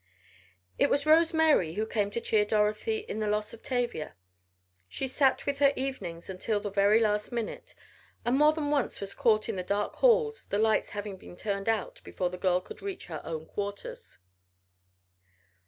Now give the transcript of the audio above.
It was Rose Mary who came to cheer Dorothy in the loss of Tavia. She sat with her evenings until the very last minute, and more than once was caught in the dark halls, the lights having been turned out before the girl could reach her own quarters.